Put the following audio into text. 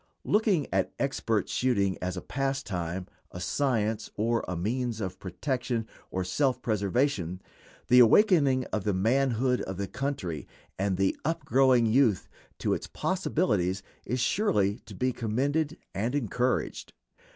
Looking at expert shooting as a pastime, a science, or a means of protection or self preservation, the awakening of the manhood of the country and the up growing youth to its possibilities is surely to be commended and encouraged.